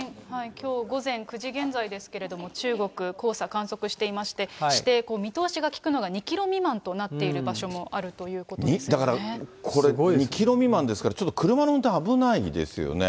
きょう午前９時現在ですけれども、中国、黄砂観測していまして、視程、見通しが利くのが２キロ未満となっている場所もあるということでだからこれ、２キロ未満ですから、ちょっと車の運転危ないですよね。